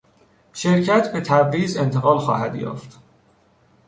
شرکت به تبریز انتقال خواهد یافت.